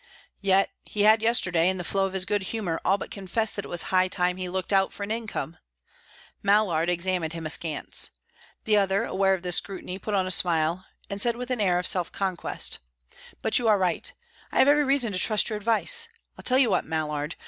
Yet he had yesterday, in the flow of his good humour, all but confessed that it was high time he looked out for an income. Mallard examined him askance. The other, aware of this scrutiny, put on a smile, and said with an air of self conquest: "But you are right; I have every reason to trust your advice. I'll tell you what, Mallard.